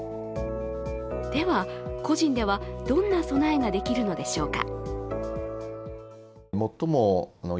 では、個人ではどんな備えができるのでしょうか？